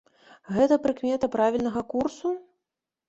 Гэта прыкмета правільнага курсу?